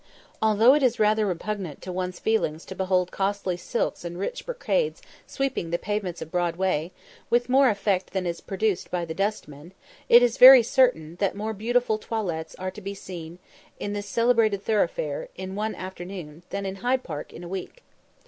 Although it is rather repugnant to one's feelings to behold costly silks and rich brocades sweeping the pavements of Broadway, with more effect than is produced by the dustmen, it is very certain that more beautiful toilettes are to be seen in this celebrated thoroughfare, in one afternoon, than in Hyde Park in a week.